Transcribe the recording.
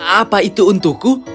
apa itu untukku